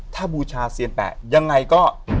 ถ้าบูชาเซียนแปะยังไงก็